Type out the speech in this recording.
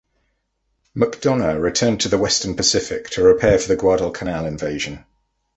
"Macdonough" returned to the western Pacific to prepare for the Guadalcanal invasion.